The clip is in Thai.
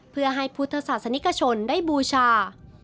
เพื่อให้พุทธศาสนิกชนได้บูชา